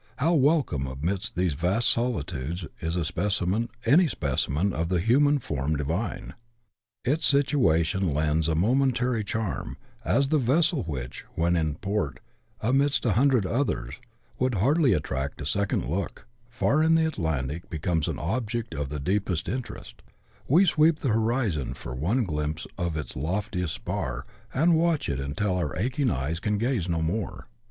How wejconu^ amidst these vast solitudes is a speciuH^n, any s[)e(;imen, of the; human form diviiK;: its situation lends it a momentary charm ; as the vessel which, when in port, amidst a hundred others, wouhl hardly attract a second look, far in the Atlantic becomes an object of the deepest interest ; we sweep the horizon for one glim[)se of its loftiest s{)ar, and watch it until our aching ey(!s can gaze no more.